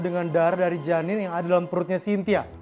dengan darah dari janin yang ada dalam perutnya sintia